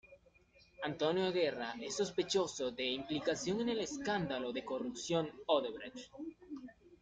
Antonio Guerra es sospechoso de implicación en el escándalo de corrupción Odebrecht.